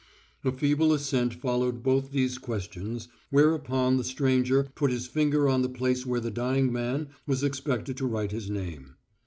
A feeble assent followed both these questions, whereupon the stranger put his finger on the place where the dying man was expected to write his name.